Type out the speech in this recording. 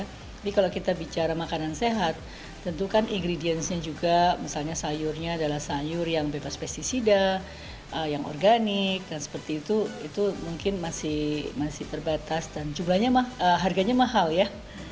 tapi kalau kita bicara makanan sehat tentu kan ingredients nya juga misalnya sayurnya adalah sayur yang bebas pesticida yang organik dan seperti itu itu mungkin masih terbatas dan jumlahnya mah harganya mahal ya